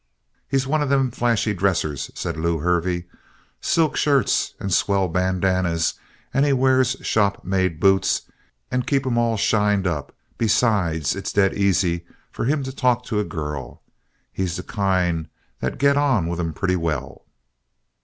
"He's one of them flashy dressers," said Lew Hervey. "Silk shirts and swell bandannas and he wears shopmade boots and keep 'em all shined up. Besides, it's dead easy for him to talk to a girl. He's the kind that get on with 'em pretty well."